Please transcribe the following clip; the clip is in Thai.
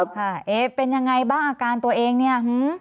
ตัวเองเป็นยังไงบ้างอการตัวเองนี่